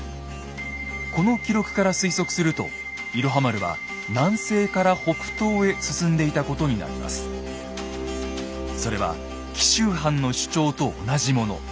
この記録から推測すると「いろは丸」は南西から北東へ進んでいたことになります。それは紀州藩の主張と同じもの。